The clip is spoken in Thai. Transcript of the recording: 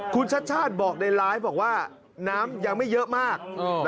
คุณชัดชาติบอกในไลฟ์บอกว่าน้ำยังไม่เยอะมาก